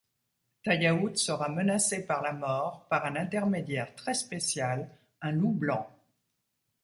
Tayaout sera menacé par la mort par un intermédiaire très spécial, un loup blanc.